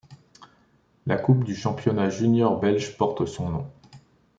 La Coupe du championnat Junior belge porte son nom.